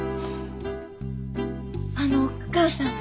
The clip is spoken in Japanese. あのお母さん。